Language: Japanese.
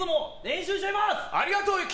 ありがとう！